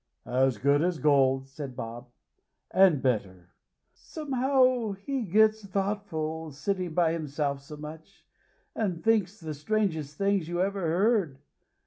"As good as gold," said Bob, "and better. Somehow he gets thoughtful, sitting by himself so much, and thinks the strangest things you ever heard.